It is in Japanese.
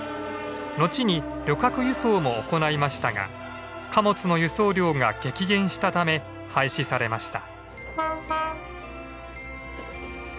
後に旅客輸送も行いましたが貨物の輸送量が激減したため廃止されました。